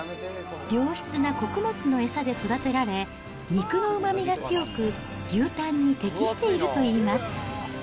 良質な穀物の餌で育てられ、肉のうまみが強く、牛タンに適しているといいます。